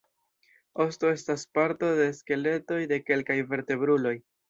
Osto estas parto de skeletoj de kelkaj vertebruloj.